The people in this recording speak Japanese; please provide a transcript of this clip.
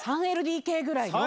３ＬＤＫぐらいの。